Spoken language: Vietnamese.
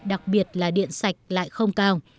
đặc biệt là điện sạch lại không cao